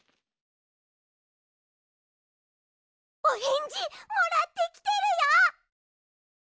おへんじもらってきてるよ。